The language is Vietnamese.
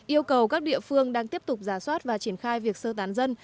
yêu cầu các địa phương đang tiếp tục giả soát và triển khai việc sơ tán dân